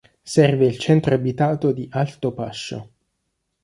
Serve il centro abitato di Altopascio.